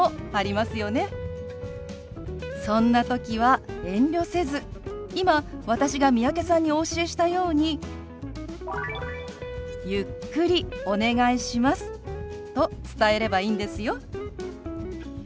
そんな時は遠慮せず今私が三宅さんにお教えしたように「ゆっくりお願いします」と伝えればいいんですよ。